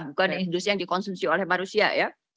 bukan industri yang dikonsumsi oleh manusia ya